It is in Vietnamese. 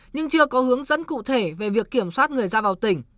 nhưng chưa có hướng dẫn cụ thể về việc kiểm soát